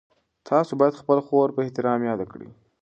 تاسو باید خپله خور په احترام یاده کړئ.